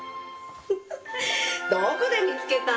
どこで見つけたの？